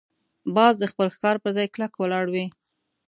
باز د خپل ښکار پر ځای کلکه ولاړ وي